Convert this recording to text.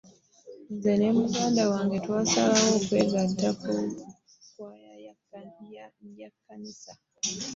Nze ne muganda wange twasalawo okwegatta ku kwaaya ye kanisa.